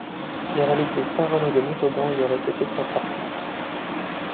Les reliques de saint Renaud de Montauban y auraient été transportées.